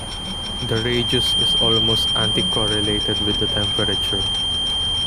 The radius is almost anti-correlated with the temperature.